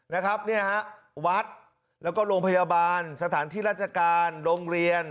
นะครับเนี่ยฮะวัดแล้วก็โรงพยาบาลสถานที่ราชการโรงเรียน